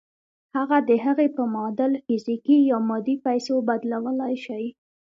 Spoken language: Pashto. هغه د هغې په معادل فزيکي يا مادي پيسو بدلولای شئ.